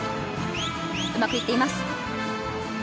うまくいっています。